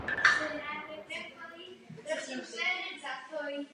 Kostely nesměly mít věž ani zvony a nesměly mít vchod z ulice.